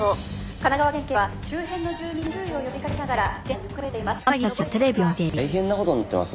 「神奈川県警は周辺の住民に注意を呼びかけながら現在行方を追っています。